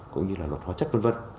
cũng như là luật hóa chất v v